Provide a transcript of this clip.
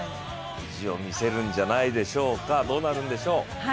意地を見せるんじゃないでしょうか、どうなるんでしょう？